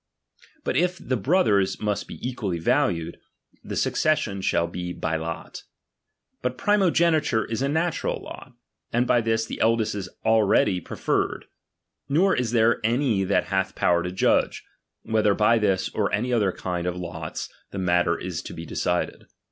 But if the brothers must be equally valued, the succession shall be hf/ lot. But primogeniture is a natural lot, and by this the eldest is already pre ferred ; nor is there any that hath power to judge, whether by this or any other kind of lots the mat ter is to be decided.